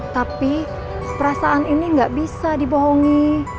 tapi perasaan ini nggak bisa dibohongi